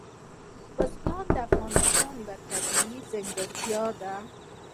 بزګان د افغانستان یوه طبیعي ځانګړتیا ده.